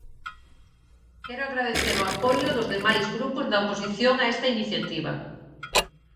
Quero agradecer o apoio dos demais grupos da oposición a esta iniciativa.